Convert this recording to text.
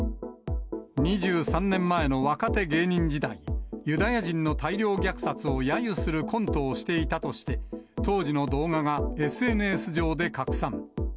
２３年前の若手芸人時代、ユダヤ人の大量虐殺をやゆするコントをしていたとして、当時の動画がＳＮＳ上で拡散。